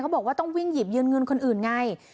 บอกว่าต้องวิ่งหยิบยืมเงินคนอื่นไง